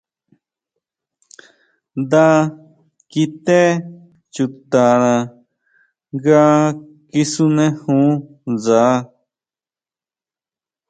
Nda kité chutana nga kisunejún ndsa.